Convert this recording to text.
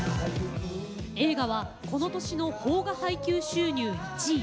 映画はこの年の邦画配給収入１位。